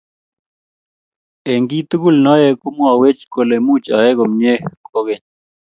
eng kiy tugul nayoe, komwawech kole muuch ayae komnyei kogeny